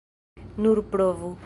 Nur provu.